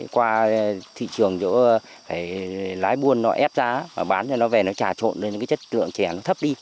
qua thị trường chỗ lái buôn nó ép ra bán cho nó về nó trà trộn nên cái chất lượng chè nó thấp đi